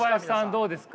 どうですか？